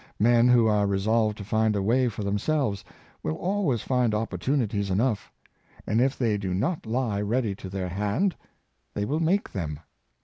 Men who are resolved to find a way for themselves, will al ways find opportunities enough; and if they do not lie ready to their hand, they will make them.